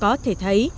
có thể thấy